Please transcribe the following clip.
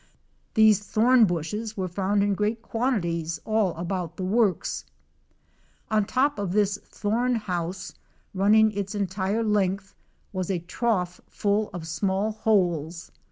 These thorn bushes were found in great quantities all about the works. On top of this thorn house running its entire length was a trough full of small holes.